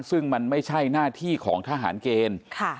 ซึ่งมันไม่ใช่หน้าที่ของทหารเกณฑ์